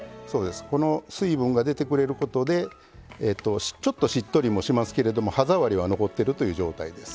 この水分が出てくれることでちょっとしっとりもしますけれども歯触りは残ってるという状態です。